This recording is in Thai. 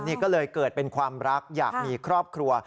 นี่ก็เลยเกิดเป็นความรักอยากมีครอบครัว